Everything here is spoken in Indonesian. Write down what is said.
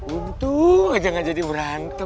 untung aja gak jadi berantem